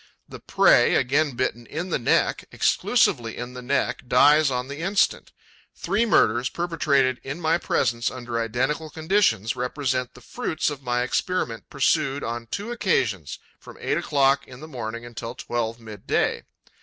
The prey, again bitten in the neck, exclusively in the neck, dies on the instant. Three murders, perpetrated in my presence under identical conditions, represent the fruits of my experiment pursued, on two occasions, from eight o'clock in the morning until twelve midday.